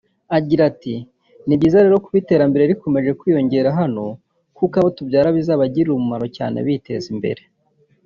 Agira ati “Ni byiza rero kuba iterambere rikomeje kwiyongera hano kuko abo tubyara bizabagirira umumaro cyane biteze imbere